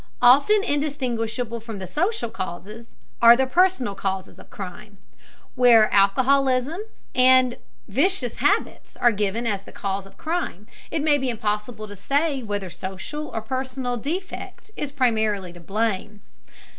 Often indistinguishable from the social causes are the personal causes of crime. Where alcoholism or vicious habits are given as the cause of crime, it may be impossible to say whether social or personal defect is primarily to blame.